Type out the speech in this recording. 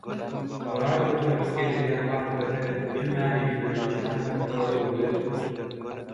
Oraz göterilip gelinýän batyra seredip bilmän ýüzüni duşman tarapyna öwürdi.